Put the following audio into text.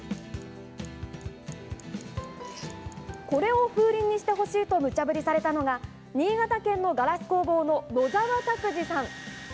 これを風鈴にしてほしいと、むちゃぶりされたのが、新潟県のガラス工房の野澤拓自さん。